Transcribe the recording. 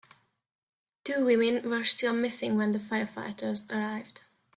Two women were still missing when the firefighters arrived.